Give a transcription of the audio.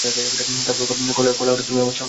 তারপরে কাল হঠাৎ, তুমি আমার সামনে এলে।